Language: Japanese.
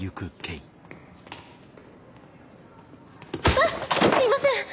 あっすいません！